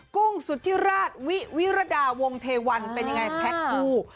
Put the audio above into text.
กุ้งสุธิราชวิวิรดาวงเทวันเป็นยังไงแพ็คคู่